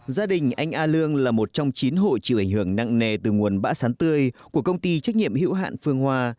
gia đình anh a lương là một trong chín hộ chịu ảnh hưởng nặng nề từ nguồn bã sắn tươi của công ty trách nhiệm hữu hạn phương hoa